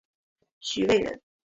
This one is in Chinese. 徐渭人。